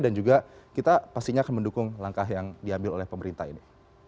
dan juga kita pastinya akan mendukung langkah yang diambil oleh pemerintah ini